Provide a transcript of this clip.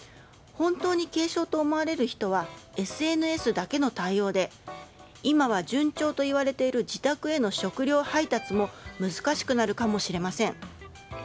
本当に軽症と思われる人はＳＮＳだけの対応で今は順調といわれている自宅への食料配達も難しくなるかもしれません。